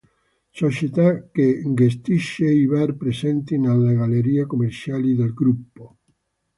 Società che gestisce i bar presenti nelle gallerie commerciali del gruppo.